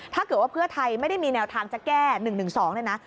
ถ้าเกิดว่าเพื่อไทยไม่ได้มีแนวทางจะแก้๑๑๒เนี่ยนะ